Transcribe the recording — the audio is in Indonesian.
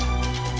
aku mau ke sana